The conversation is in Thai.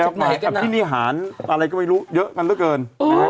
มาจากที่นิหารอะไรก็ไม่รู้เยอะกันเท่าไหร่